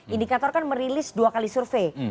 indikator kan merilis dua kali survei